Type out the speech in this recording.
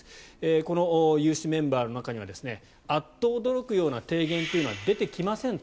この有志メンバーの中にはあっと驚くような提言というのは出てきませんと。